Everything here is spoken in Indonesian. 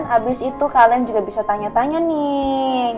habis itu kalian juga bisa tanya tanya nih